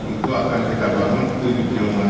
itu akan kita bangun tujuh juta daerah